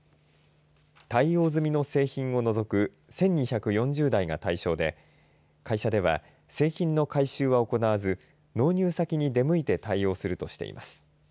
対応済みの製品を除く１２４０台が対象で会社では製品の回収は行わず納入先に出向いて対応するとしています。